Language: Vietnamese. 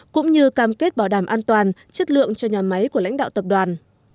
cũng như cam kết bảo đảm an toàn chất lượng cho nhà máy của lãnh đạo tập đoàn